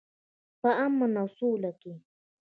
په امن او سوله کې.